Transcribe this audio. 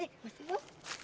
eh mas ibu